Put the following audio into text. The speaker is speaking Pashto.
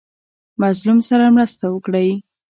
مظلوم سره مرسته وکړئ